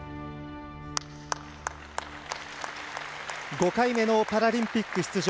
５回目のパラリンピック出場。